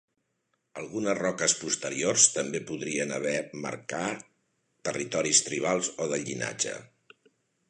Algunes roques posteriors també podrien haver marcar territoris tribals o de llinatge.